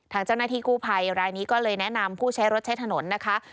ทางเจ้าหน้าที่กู้ภัยรายนี้ก็เลยแนะนำผู้ใช้รถใช้ถนนนะคะ